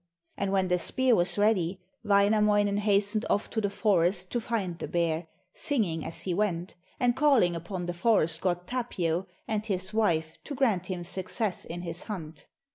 And when the spear was ready, Wainamoinen hastened off to the forest to find the bear, singing as he went, and calling upon the forest god Tapio and his wife to grant him success in his hunt.